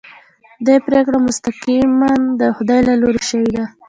دې پرېکړه مستقیماً د خدای له لوري شوې ده.